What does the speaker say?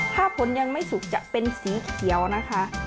ถ้าผลยังไม่สุกจะเป็นสีเขียวนะคะ